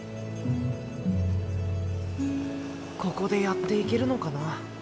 ここでやっていけるのかな？